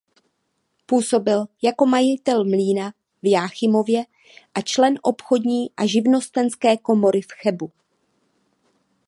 Působil jako majitel mlýna v Jáchymově a člen obchodní a živnostenské komory v Chebu.